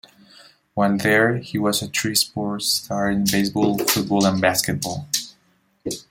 While there, he was a three-sport star in baseball, football, and basketball.